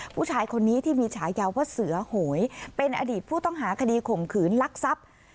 ผู้ชายคนนี้ที่มีฉายาว่าเสือโหยเป็นอดีตผู้ต้องหาคดีข่มขืนลักทรัพย์